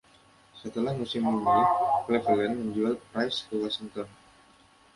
Setelah musim ini, Cleveland menjual Price ke Washington.